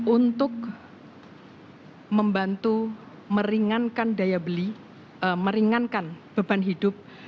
untuk membantu meringankan daya beli meringankan beban hidup